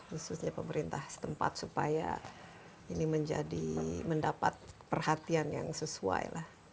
khususnya pemerintah setempat supaya ini mendapat perhatian yang sesuai